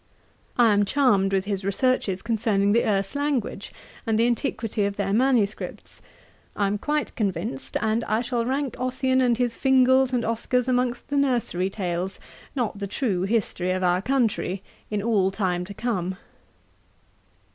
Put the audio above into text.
'I am charmed with his researches concerning the Erse language, and the antiquity of their manuscripts. I am quite convinced; and I shall rank Ossian and his Fingals and Oscars amongst the nursery tales, not the true history of our country, in all time to come.